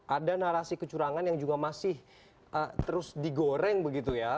ada narasi kecurangan yang juga masih terus digoreng begitu ya